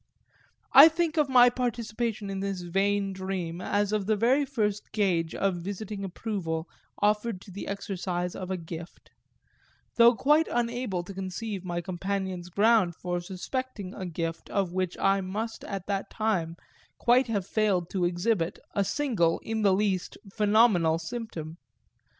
I think of my participation in this vain dream as of the very first gage of visiting approval offered to the exercise of a gift though quite unable to conceive my companion's ground for suspecting a gift of which I must at that time quite have failed to exhibit a single in the least "phenomenal" symptom.